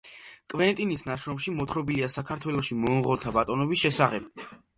კვენტინის ნაშრომში მოთხრობილია საქართველოში მონღოლთა ბატონობის შესახებ.